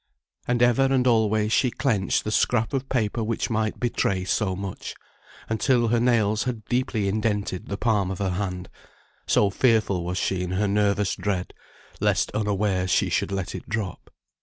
And ever and always she clenched the scrap of paper which might betray so much, until her nails had deeply indented the palm of her hand; so fearful was she in her nervous dread, lest unawares she should let it drop.